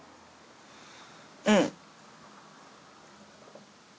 うん。